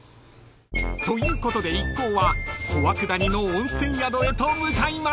［ということで一行は小涌谷の温泉宿へと向かいます］